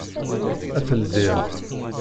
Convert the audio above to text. Ad t-ldiɣ.